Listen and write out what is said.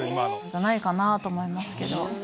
じゃないかなと思いますけど。